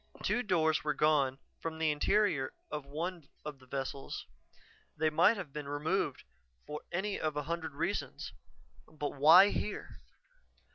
Two doors were gone from the interior of one of the vessels. They might have been removed for any of a hundred reasons but why here?